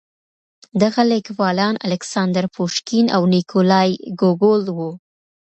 دغه ليکوالان الکساندر پوشکين او نېکولای ګوګول وو.